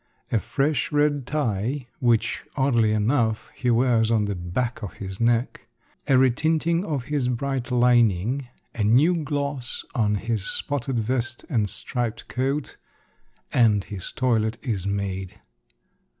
A fresh red tie, which, oddly enough, he wears on the back of his neck, a retinting of his bright lining, a new gloss on his spotted vest and striped coat, and his toilet is made.